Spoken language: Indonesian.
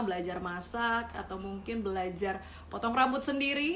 belajar masak atau mungkin belajar potong rambut sendiri